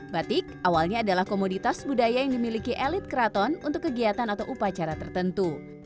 batik awalnya adalah komoditas budaya yang dimiliki elit keraton untuk kegiatan atau upacara tertentu